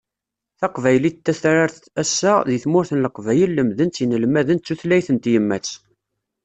Taqbaylit tatrart, ass-a, deg tmurt n Leqbayel lemden-tt yinelmaden d tutlayt n tyemmat.